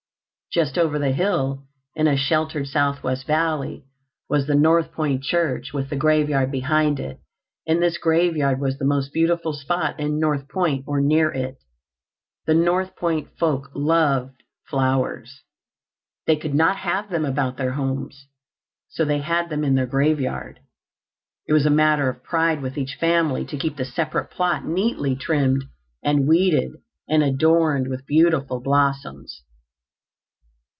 Just over the hill, in a sheltered southwest valley, was the North Point church with the graveyard behind it, and this graveyard was the most beautiful spot in North Point or near it. The North Point folk loved flowers. They could not have them about their homes, so they had them in their graveyard. It was a matter of pride with each family to keep the separate plot neatly trimmed and weeded and adorned with beautiful blossoms.